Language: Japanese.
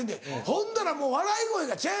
ほんだらもう笑い声がちゃう。